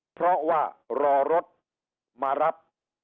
เพราะว่ารอรถมารับ